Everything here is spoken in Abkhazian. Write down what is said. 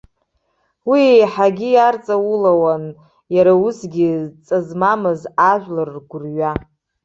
Уи еиҳагьы иарҵаулауан иара усгьы ҵа змамыз ажәлар ргәырҩа!